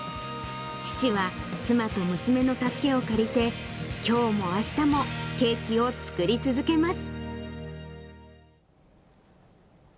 父は、妻と娘の助けを借りて、きょうもあしたもケーキを作り続けます。